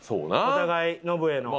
お互いノブへの。